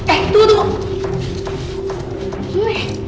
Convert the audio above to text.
eh tunggu tunggu